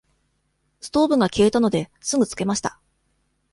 ストーブが消えたので、すぐつけました。